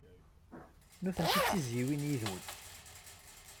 Nitenti d tizzyiwin yid-wen.